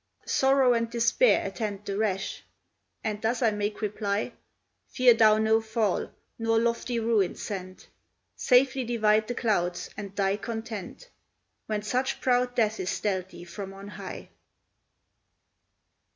sorrow and despair Attend the rash." and thus I make reply: "Fear thou no fall, nor lofty ruin sent; Safely divide the clouds, and die content, When such proud death is dealt thee from on high."